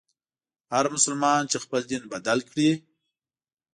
هر مسلمان چي خپل دین بدل کړي.